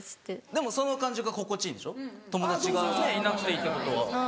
でもその感じが心地いいんでしょ友達がいなくていいってことは。